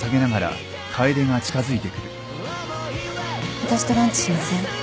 私とランチしません？